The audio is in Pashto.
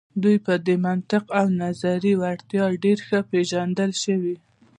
دوی په منطق او نظري وړتیا ډیر ښه پیژندل شوي.